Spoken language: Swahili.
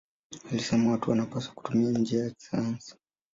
Alisema watu wanapaswa kutumia njia ya kisayansi.